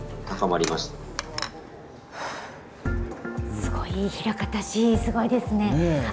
すごい枚方市、すごいですね。